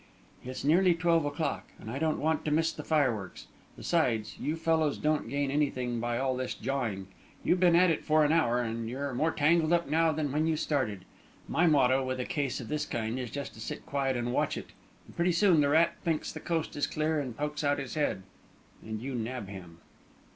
"It's nearly twelve o'clock, and I don't want to miss the fireworks. Besides, you fellows don't gain anything by all this jawing. You've been at it for an hour, and you're more tangled up now than when you started. My motto with a case of this kind is just to sit quiet and watch it; and pretty soon the rat thinks the coast is clear, and pokes out his head, and you nab him."